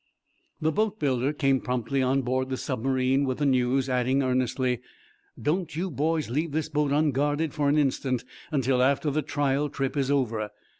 The boatbuilder came promptly on board the submarine with the news, adding, earnestly: "Don't you boys leave this boat unguarded for an instant until after the trial trip is over.